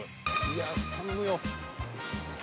［いや頼むよ］